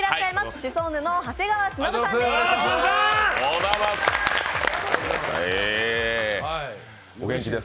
シソンヌの長谷川忍さんです。